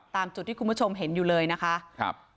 ตามจุดที่คุณผู้ชมเห็นอยู่เลยนะคะครับ